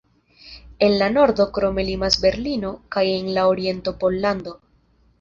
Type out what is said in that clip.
En la nordo krome limas Berlino kaj en la oriento Pollando.